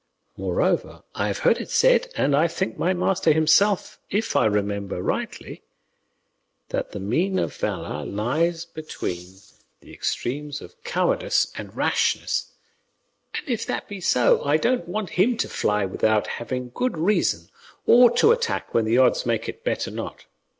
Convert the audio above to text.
Moreover, I have heard it said (and I think by my master himself, if I remember rightly) that the mean of valour lies between the extremes of cowardice and rashness; and if that be so, I don't want him to fly without having good reason, or to attack when the odds make it better not.